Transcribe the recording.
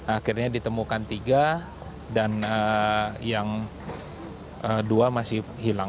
akhirnya ditemukan tiga dan yang dua masih hilang